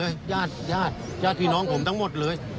มีญาติผมทั้งนั้นเลยญาติพี่น้องผมทั้งหมดเลย